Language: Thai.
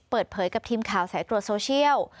เปิดเผยกับทีมข่าวสายตรวจโซเชียล